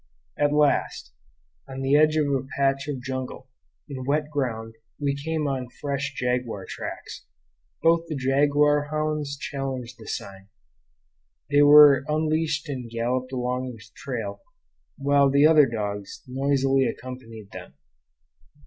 At last, on the edge of a patch of jungle, in wet ground, we came on fresh jaguar tracks. Both the jaguar hounds challenged the sign. They were unleashed and galloped along the trail, while the other dogs noisily accompanied them.